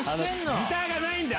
ギターがないんだよ